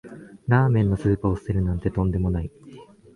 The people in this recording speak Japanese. ラーメンのスープを捨てるなんてとんでもない